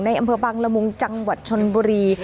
อำเภอบังละมุงจังหวัดชนบุรี